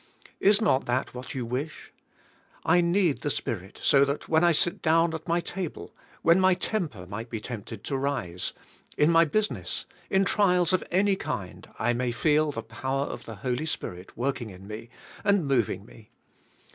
Is not that what you wish? I need the Spirit so that when I sit down at my table, when my temper might be tempted to rise, in my business, in trials of any kind I may feel the power of the Holy Spirit work ing in me, and moving me.